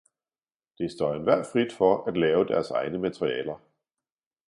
Det står enhver frit for at lave deres egne materialer